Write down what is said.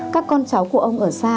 các con cháu của ông ở xa